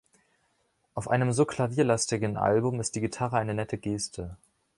Auf einem so klavierlastigen Album ist die Gitarre eine nette Geste.